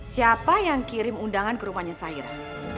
siapa yang kirim undangan ke rumahnya saira